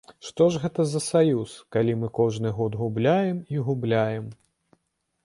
Што ж гэта за саюз, калі мы кожны год губляем і губляем?